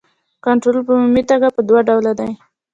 کنټرول په عمومي توګه په دوه ډوله دی.